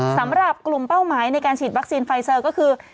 สำหรับกลุ่มเป้าหมายในการฉีดวัคซีนไฟเซอร์ก็คือ